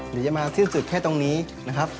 เดี๋ยวจะมาที่สุดแค่ตรงนี้นะครับ